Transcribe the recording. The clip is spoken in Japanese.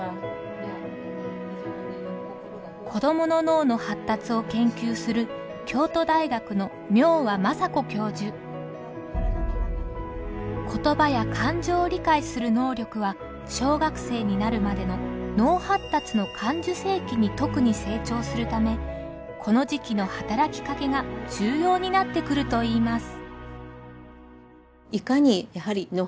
子どもの脳の発達を研究する言葉や感情を理解する能力は小学生になるまでの脳発達の感受性期に特に成長するためこの時期の働きかけが重要になってくるといいます。